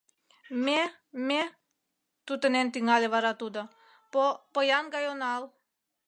— Ме-ме, — тутынен тӱҥале вара тудо, — по-поян гай онал.